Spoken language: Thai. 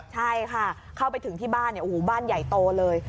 ใช่ค่ะเข้าไปถึงที่บ้านบ้านใหญ่โตเลย